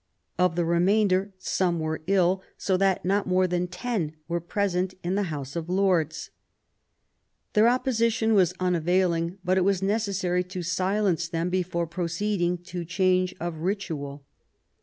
Of the remainder, some were ill, so that not more than ten were present in the House of Lords. Their opposition was unavail ing; but it was necessary to silence them before proceeding to change of ritual.